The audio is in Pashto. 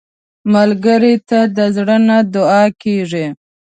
ملګری ته د زړه نه دعا کېږي